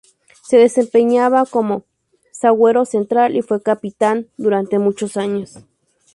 Se desempeñaba como zaguero central y fue capitán durante muchos años.